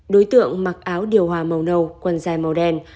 đối tượng mặc áo điều hòa màu nâu quần dài màu đen